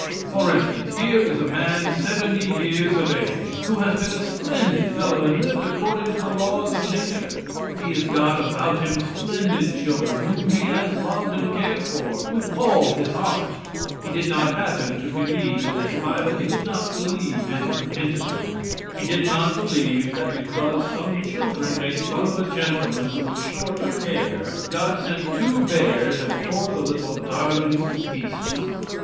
For instance: here is a man seventy years of age, who has been a splendid fellow and lived according to the laws of nature. He has got about him splendid children whom he has loved and cared for with all his heart. But he did not happen to believe in this Bible; he did not believe in the Pentateuch. He did not believe that because some children made fun of a gentleman who was short of hair, God sent two bears and tore the little darlings to pieces.